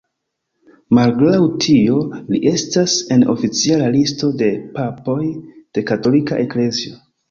Malgraŭ tio, li estas en oficiala listo de papoj de katolika eklezio.